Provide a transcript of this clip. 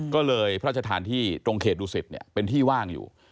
ก็เลยพระราชทานที่ตรงเขตดุสิตเป็นที่ว่างอยู่